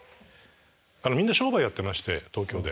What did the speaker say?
みんな商売やってまして東京で。